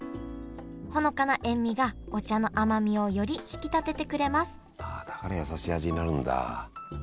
ほのかな塩みがお茶の甘みをより引き立ててくれますだからやさしい味になるんだ。